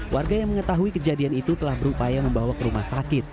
warga yang mengetahui kejadian itu telah berupaya membawa ke rumah sakit